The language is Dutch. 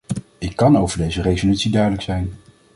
Ik kan over deze resolutie duidelijk zijn.